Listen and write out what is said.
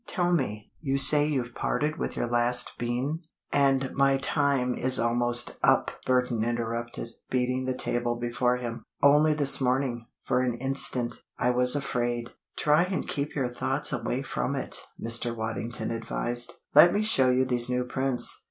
Tell me, you say you've parted with your last bean " "And my time is almost up!" Burton interrupted, beating the table before him. "Only this morning, for an instant, I was afraid!" "Try and keep your thoughts away from it," Mr. Waddington advised. "Let me show you these new prints.